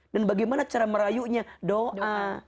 dan bagaimana cara merayunya doa